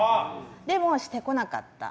でもしてこなかった。